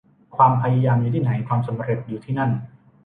ความพยายามอยู่ที่ไหน ความสำเร็จอยู่ที่นั่น